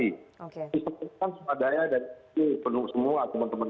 itu kan swadaya dan penuh semua teman teman